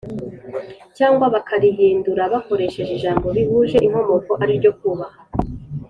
Cyangwa bakarihindura bakoresheje ijambo bihuje inkomoko ari ryo kuhaba